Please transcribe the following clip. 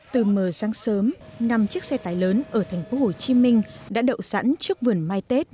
từ mờ sáng sớm năm chiếc xe tái lớn ở thành phố hồ chí minh đã đậu sẵn trước vườn mai tết